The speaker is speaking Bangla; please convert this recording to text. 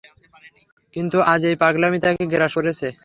কিন্তু আজ এই পাগলামি তাকে গ্রাস করেছে।